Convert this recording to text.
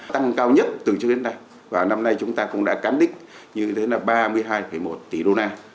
tăng cao nhất từ trước đến nay và năm nay chúng ta cũng đã cán đích như thế là ba mươi hai một tỷ đô la